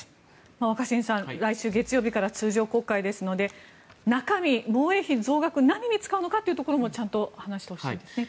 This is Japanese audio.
若新さん来週月曜日から通常国会ですので中身、防衛費増額何に使うのかというところもちゃんと話してほしいですね。